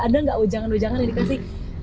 ada nggak ujangan ujangan yang dikasih